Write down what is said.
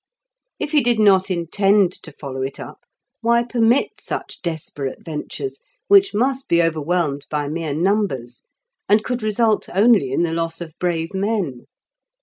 If he did not intend to follow it up, why permit such desperate ventures, which must be overwhelmed by mere numbers, and could result only in the loss of brave men?